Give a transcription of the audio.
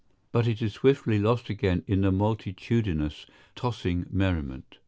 But it is swiftly lost again in the multitudinous tossing merriment.